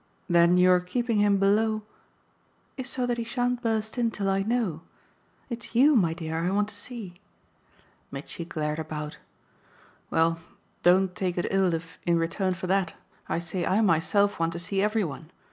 "Then your keeping him below ?" "Is so that he shan't burst in till I know. It's YOU, my dear, I want to see." Mitchy glared about. "Well, don't take it ill if, in return for that, I say I myself want to see every one.